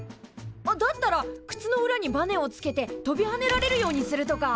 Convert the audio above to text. だったらくつの裏にバネをつけてとびはねられるようにするとか。